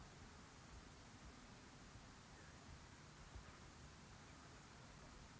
asal sekolah sma negeri lima belas